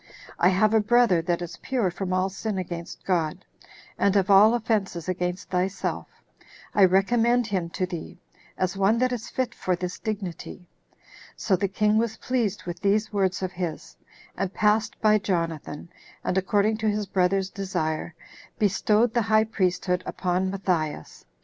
I have a brother that is pure from all sin against God, and of all offenses against thyself; I recommend him to thee, as one that is fit for this dignity." So the king was pleased with these words of his, and passed by Jonathan, and, according to his brother's desire, bestowed the high priesthood upon Matthias.